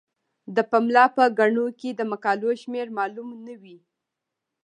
د پملا په ګڼو کې د مقالو شمیر معلوم نه وي.